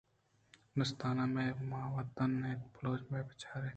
بلوچستان مئے وتن اِنت ءُ بلوچی مئے پجّار اِنت۔